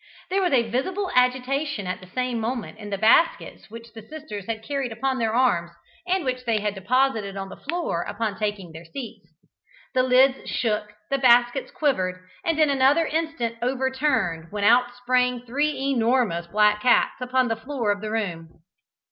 There was a visible agitation at the same moment in the baskets which the sisters had carried upon their arms, and which they had deposited on the floor upon taking their seats. The lids shook, the baskets quivered, and in another instant overturned, when out sprang three enormous black cats upon the floor of the room.